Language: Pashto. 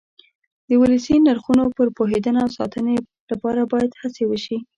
د ولسي نرخونو پر پوهېدنه او ساتنې لپاره باید هڅې وشي.